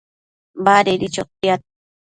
Badedi chotiad